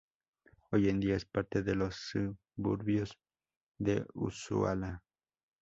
Hoy en día es parte de los suburbios de Ushuaia.